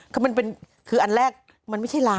คืออันแรกมันไม่ใช่ร้าน